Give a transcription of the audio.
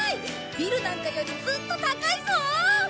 ビルなんかよりずっと高いぞ！